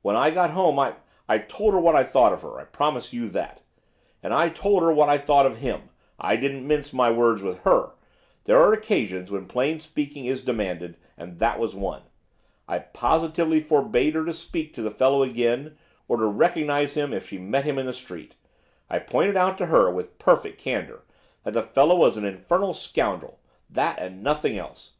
'When I got home I I told her what I thought of her, I promise you that, and I told her what I thought of him, I didn't mince my words with her. There are occasions when plain speaking is demanded, and that was one. I positively forbade her to speak to the fellow again, or to recognise him if she met him in the street. I pointed out to her, with perfect candour, that the fellow was an infernal scoundrel, that and nothing else!